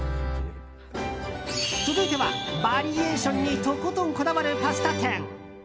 続いては、バリエーションにとことんこだわるパスタ店。